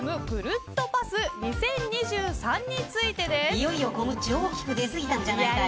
いよいよコムっち大きく出過ぎたんじゃないかい。